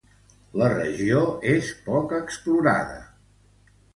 La regió és poc explorada.